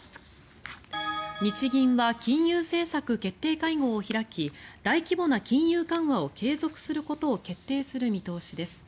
日銀は金融政策決定会合を開き大規模な金融緩和を継続することを決定する見通しです。